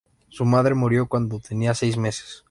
Su madre murió cuando tenía seis meses.